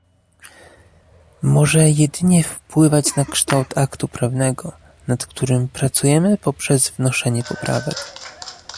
Może jedynie wpływać na kształt aktu prawnego, nad którym pracujemy poprzez wnoszenie poprawek